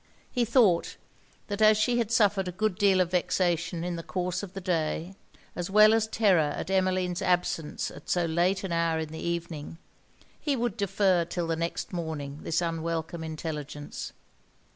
He thought, that as she had suffered a good deal of vexation in the course of the day, as well as terror at Emmeline's absence at so late an hour in the evening, he would defer till the next morning this unwelcome intelligence.